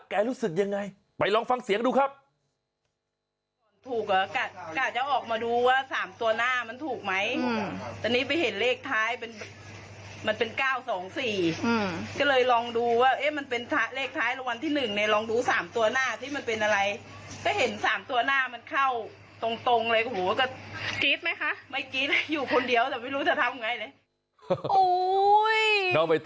รู้สึกยังไงไปลองฟังเสียงดูครับ